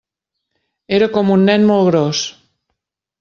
Era com un nen molt gros.